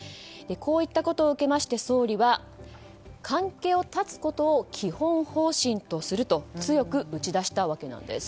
こういったことを受けまして総理は関係を断つことを基本方針とすると強く打ち出したわけなんです。